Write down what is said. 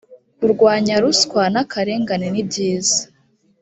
kurwanya ruswa n akarengane nibyiza